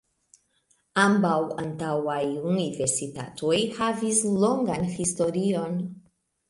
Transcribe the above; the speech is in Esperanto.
Ambaŭ antaŭaj universitatoj havis longan historion.